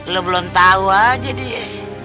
lo belum tahu aja dia